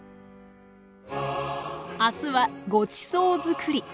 明日はごちそうづくり。